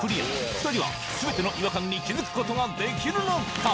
２人は全ての違和感に気づくことができるのか？